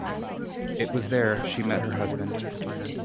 It was there she met her husband.